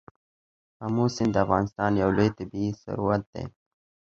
آمو سیند د افغانستان یو لوی طبعي ثروت دی.